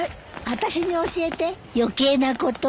私に教えて余計なこと。